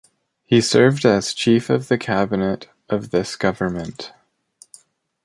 He served as Chief of the Cabinet of this government.